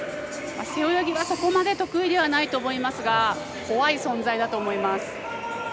背泳ぎは、そこまで得意ではないと思いますが怖い存在だと思います。